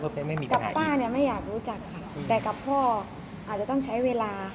กับป้าไม่อยากรู้จักแต่กับพ่ออาจจะต้องใช้เวลา